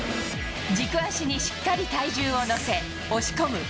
軸足にしっかり体重を乗せ、押し込む。